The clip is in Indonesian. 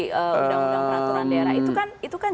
uu peraturan daerah itu kan